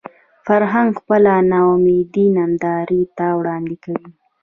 فرهنګ خپله ناامیدي نندارې ته وړاندې کوي